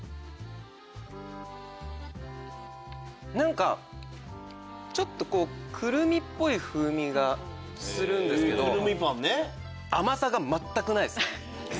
何かちょっとクルミっぽい風味がするんですけど甘さが全くないですね。